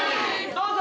「どうぞ！